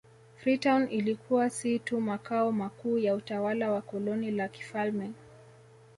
Freetown ilikuwa si tu makao makuu ya utawala wa koloni la kifalme